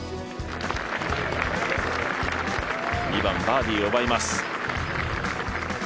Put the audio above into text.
２番、バーディーを奪います。